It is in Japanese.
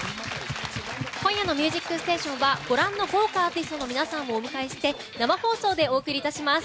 今夜の「ミュージックステーション」はご覧のアーティストの皆さんをお迎えして生放送でお送りいたします。